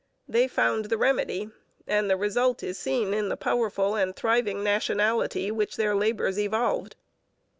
They found the remedy; and the result is seen in the powerful and thriving nationality which their labours evolved.